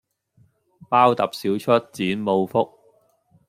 包揼少出剪冇福